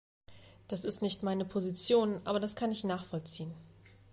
Das ist nicht meine Position, aber das kann ich nachvollziehen.